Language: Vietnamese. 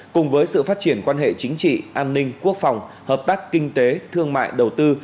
cùng với sự phát triển quan hệ chính trị an ninh quốc phòng hợp tác kinh tế thương mại đầu tư